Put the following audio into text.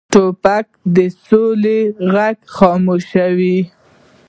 توپک د سولې غږ خاموشوي.